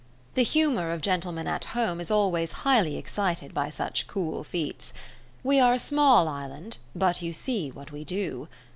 The humour of gentlemen at home is always highly excited by such cool feats. We are a small island, but you see what we do.